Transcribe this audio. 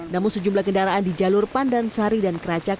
namun sejumlah kendaraan di jalur pandansari dan keracak